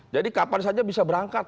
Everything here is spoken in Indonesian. jadi kapan saja bisa berangkat